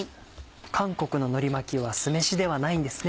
韓国ののり巻きは酢飯ではないんですね。